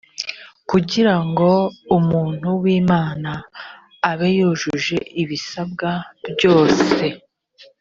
kugira ngo umuntu w imana abe yujuje ibisabwa byose